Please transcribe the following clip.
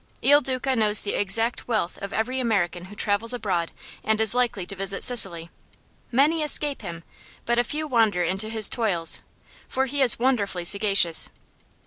Il Duca knows the exact wealth of every American who travels abroad and is likely to visit Sicily. Many escape him, but a few wander into his toils, for he is wonderfully sagacious.